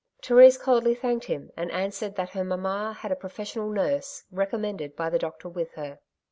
Therese coldly thanked him, and answered that her mamma had a professional nurse, recommended by the doctor, with her.